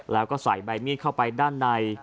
แล้วก็ใส่ใบมีดเข้าไปด้านใน